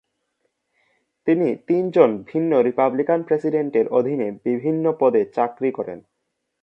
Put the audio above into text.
তিনি তিনজন ভিন্ন রিপাবলিকান প্রেসিডেন্টের অধীনে বিভিন্ন পদে চাকরি করেন।